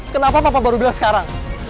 kenapa papa baru bilang sekarang